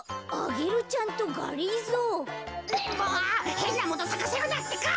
へんなものさかせるなってか！